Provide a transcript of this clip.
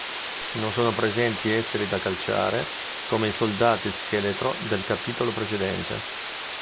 Non sono presenti esseri da calciare come i soldati scheletro del capitolo precedente.